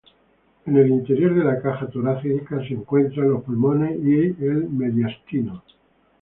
En el interior de la caja torácica se encuentran los pulmones y el mediastino.